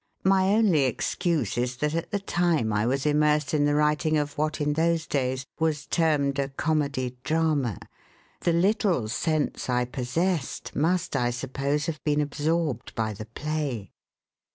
My only excuse is that at the time I was immersed in the writing of what in those days was termed a comedy drama. The little sense I possessed must, I suppose, have been absorbed by the play.